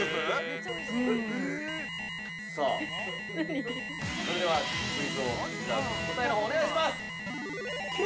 ◆さあ、それではクイズ王・伊沢君、答えのほうをお願いします。